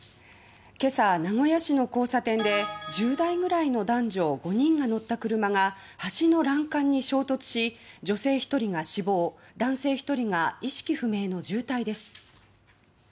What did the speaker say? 今朝名古屋市の交差点で１０代ぐらいの男女５人が乗った車が橋の欄干に衝突し女性１人が死亡男性１人が意識不明の重体です。